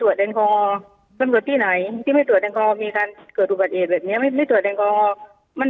อย่างไร